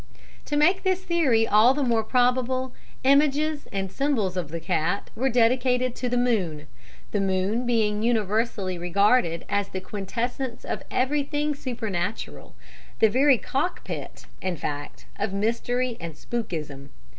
"To make this theory all the more probable, images and symbols of the cat were dedicated to the moon, the moon being universally regarded as the quintessence of everything supernatural, the very cockpit, in fact, of mystery and spookism.